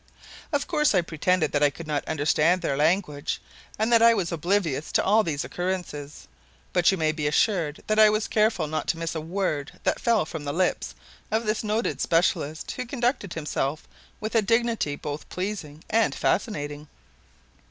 Of course I pretended that I could not understand their language and that I was oblivious to all these occurrences, but you may be assured that I was careful not to miss a word that fell from the lips of this noted specialist who conducted himself with a dignity both pleasing and fascinating.